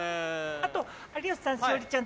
あと有吉さん栞里ちゃん